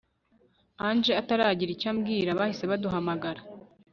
Angel ataragira icyo ambwira bahise baduhamagara